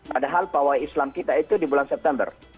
padahal pawai islam kita itu di bulan september